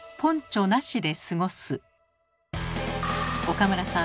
岡村さん